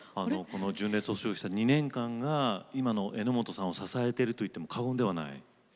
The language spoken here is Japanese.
純烈と過ごした２年間が今の榎本さんを支えていると言っても過言ではない。